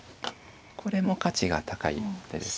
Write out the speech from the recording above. これも価値が高い一手ですね。